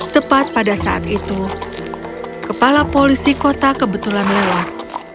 tepat pada saat itu kepala polisi kota kebetulan lewat